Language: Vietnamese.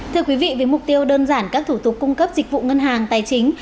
thưa quý vị với mục tiêu đơn giản các thủ tục cung cấp dịch vụ ngân hàng tài chính